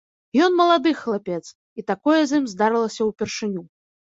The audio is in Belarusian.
Ён малады хлапец, і такое з ім здарылася ўпершыню.